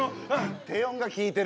低音が効いてる！